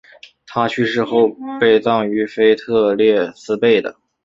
他去世后被葬于腓特烈斯贝的。